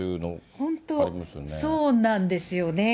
本当、そうなんですよね。